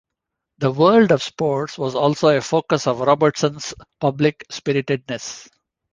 The world of sports was also a focus for Robertson's public-spiritedness.